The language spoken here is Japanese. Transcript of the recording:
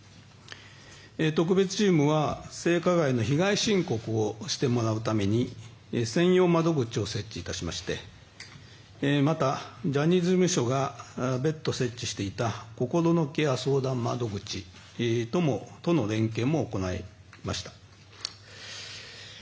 特別チームは性加害の被害申告をしてもらうために専用窓口を設置いたしましてまた、ジャニーズ事務所が別途設置していた心のケア相談窓口との連携も行いました。